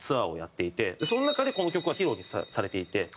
その中でこの曲は披露されていて。